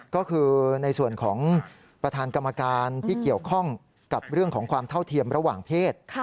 ก็คือในส่วนของประธานกรรมการที่เกี่ยวข้องกับเรื่องของความเท่าเทียมระหว่างเพศ